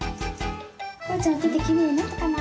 こうちゃんおててきれいになったかな？